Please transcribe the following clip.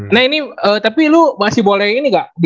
nah ini tapi lu masih boleh ini nggak